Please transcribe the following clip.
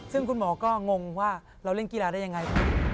ซึ่งคุณหมอก็งงว่าเราเล่นกีฬาได้ยังไง